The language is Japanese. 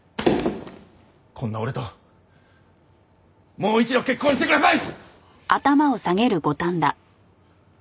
こんな俺ともう一度結婚してください！